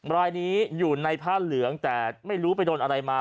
รายนี้อยู่ในผ้าเหลืองแต่ไม่รู้ไปโดนอะไรมา